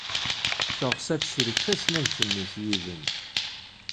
Teɣs ad tecrek tasnagt-nnes yid-m.